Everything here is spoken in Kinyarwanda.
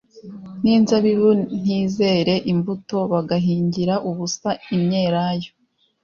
n'inzabibu ntizere imbuto; bagahingira ubusa imyelayo,